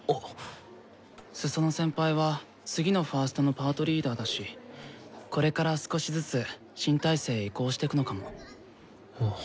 裾野先輩は次のファーストのパートリーダーだしこれから少しずつ新体制へ移行してくのかも。